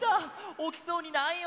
おきそうにないよ。